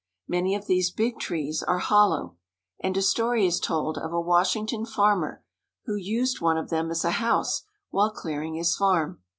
Many of these big trees are hollow, and a story is told of a Washington farmer who used one of them as a house while clearing his farm.